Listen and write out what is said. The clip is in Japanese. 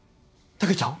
竹ちゃん！？